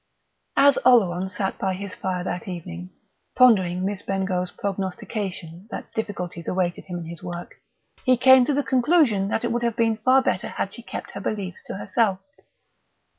IV As Oleron sat by his fire that evening, pondering Miss Bengough's prognostication that difficulties awaited him in his work, he came to the conclusion that it would have been far better had she kept her beliefs to herself.